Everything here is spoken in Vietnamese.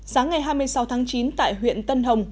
sáng ngày hai mươi sáu tháng chín tại huyện tân hồng